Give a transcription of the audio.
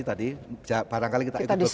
tadi barangkali kita ikut